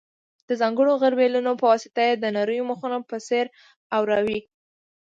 د ځانګړو غربیلونو په واسطه یې د نریو مخونو په څېر اواروي.